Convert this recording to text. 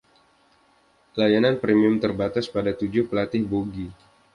Layanan premium terbatas pada tujuh pelatih bogi.